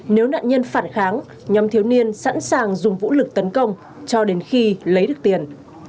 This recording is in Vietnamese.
nếu nạn nhân phản kháng nhóm thiếu niên sẵn sàng dùng vũ lực tấn công cho đến khi lấy được tiền